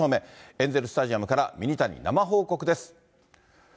エンゼルスタジアムからミニタニ、生報告です。